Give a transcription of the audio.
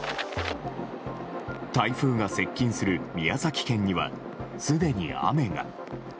台風が接近する宮崎県にはすでに雨が。